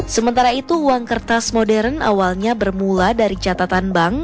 sementara itu uang kertas modern awalnya bermula dari catatan bank